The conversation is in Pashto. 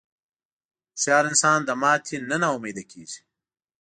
هوښیار انسان د ماتې نه نا امیده نه کېږي.